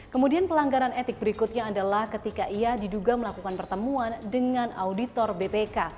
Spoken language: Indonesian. kemudian pelanggaran etik berikutnya adalah ketika ia diduga melakukan pertemuan dengan auditor bpk